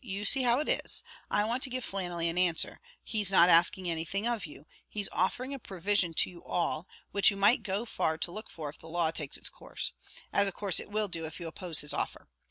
You see how it is; I want to give Flannelly an answer; he's not asking anything of you he's offering a provision to you all, which you might go far to look for if the law takes its course, as of course it will do if you oppose his offer.